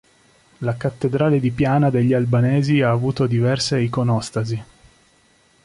La cattedrale di Piana degli Albanesi ha avuto diverse iconostasi.